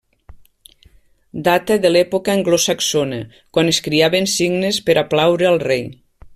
Data de l'època anglosaxona quan es criaven cignes per a plaure al rei.